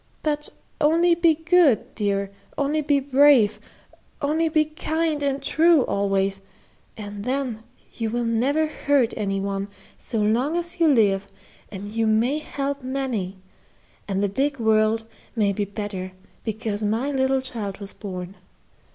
But only be good, dear, only be brave, only be kind and true always, and then you will never hurt any one, so long as you live, and you may help many, and the big world may be better because my little child was born.